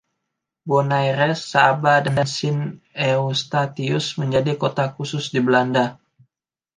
Bonaire, Saba dan Sint Eustatius menjadi kota khusus di Belanda.